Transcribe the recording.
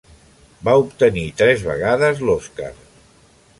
Va obtenir tres vegades l'Oscar.